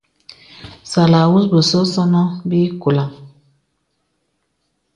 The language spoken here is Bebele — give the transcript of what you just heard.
Sàlàwūs bəsɔ̄nɔ̄ bə kùlāŋ.